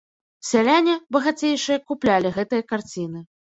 Сяляне, багацейшыя, куплялі гэтыя карціны.